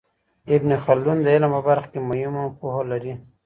ابن خلدون د علم په برخه کي مهمه پوهه لري.